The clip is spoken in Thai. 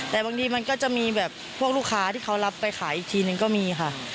แต่บางทีมันก็จะมีแบบพวกลูกค้าที่เขารับไปขายอีกทีนึงก็มีค่ะ